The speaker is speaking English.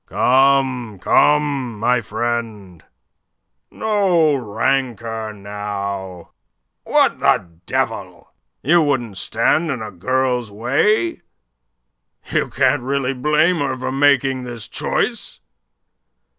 "Come, come, my friend, no rancour now. What the devil! You wouldn't stand in the girl's way? You can't really blame her for making this choice?